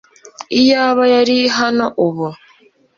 iyaba yari hano ubu